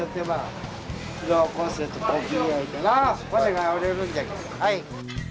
はい。